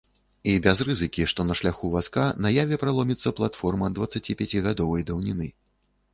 І без рызыкі, што на шляху вазка на яве праломіцца платформа дваццаціпяцігадовай даўніны.